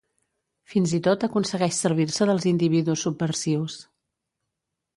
Fins i tot aconsegueix servir-se dels individus subversius.